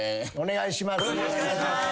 お願いします。